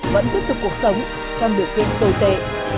vẫn tiếp tục cuộc sống trong điều kiện tồi tệ